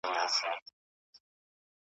خو په كور كي د شيطان لكه زمرى وو `